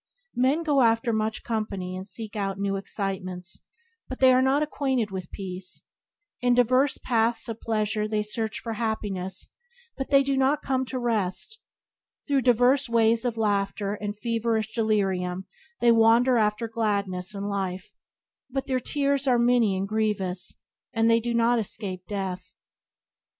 Men go after much company and seek out new excitements, but they are not acquainted with peace; in diverse paths of pleasure they search for happiness but they do not come to rest; through diverse ways of laughter and feverish delirium they wander after gladness and life, but their tears are many and grievous, and they do not escape death.